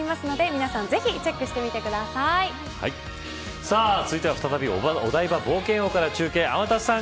皆さんぜひ続いては再びお台場冒険王から中継、天達さん